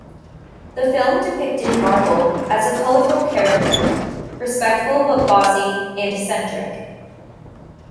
The films depicted Marple as a colourful character, respectable but bossy and eccentric.